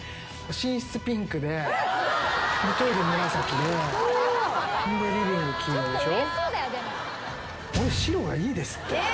寝室ピンクでトイレ紫でリビング黄色でしょ。